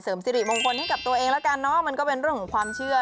สิริมงคลให้กับตัวเองแล้วกันเนอะมันก็เป็นเรื่องของความเชื่อ